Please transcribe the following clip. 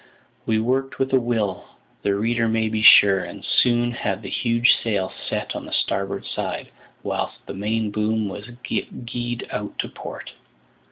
We worked with a will, the reader may be sure, and soon had the huge sail set on the starboard side, whilst the main boom was guyed out to port.